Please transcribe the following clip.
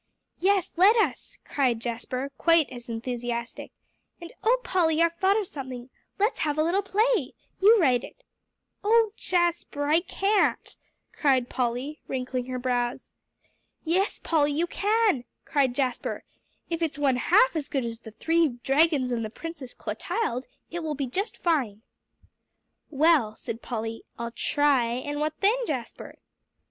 "Yes, let us," cried Jasper, just as enthusiastic; "and oh, Polly, I've thought of something. Let's have a little play you write it." "Oh Jasper, I can't," cried Polly, wrinkling her brows. "Oh, yes, Polly, you can," cried Jasper; "if it's one half as good as 'The Three Dragons and the Princess Clotilde,' it will be just fine." "Well," said Polly, "I'll try; and what then, Jasper?"